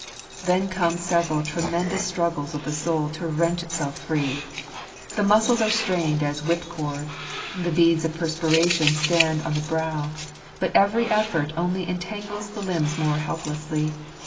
Then come several tremendous struggles of the soul to wrench itself free. .The muscles are strained as whipcord ; the beads of perspiration stand on the brow: but every effort only entangles the limbs more helplessly.